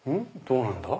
どうなるんだ？